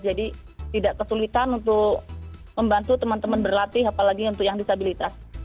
jadi tidak kesulitan untuk membantu teman teman berlatih apalagi untuk yang disabilitas